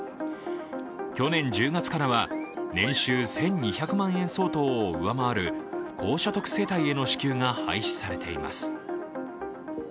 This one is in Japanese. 去年１０月からは年収１２００万円相当を上回る高所得世帯への支給が廃止されています。